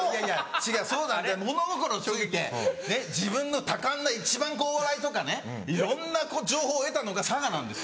違うそうじゃない物心ついてねっ自分の多感な一番お笑いとかねいろんな情報を得たのが佐賀なんです。